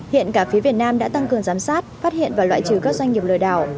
hiện cả phía việt nam đã tăng cường giám sát phát hiện và loại trừ các doanh nghiệp lừa đảo